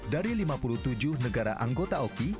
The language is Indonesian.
dari lima puluh tujuh negara anggota oki